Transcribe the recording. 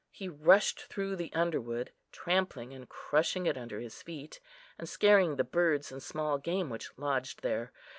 He rushed through the underwood, trampling and crushing it under his feet, and scaring the birds and small game which lodged there.